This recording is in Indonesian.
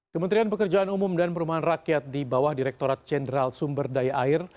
kementerian pekerjaan umum dan perumahan rakyat di bawah direkturat jenderal sumber daya air